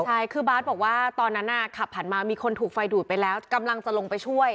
ใช่คือบาร์ดบอกว่าตอนนั้นขับผ่านมามีคนถูกไฟดูดไปแล้วกำลังจะลงไปช่วย